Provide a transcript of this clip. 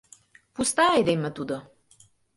— Пуста айдеме тудо.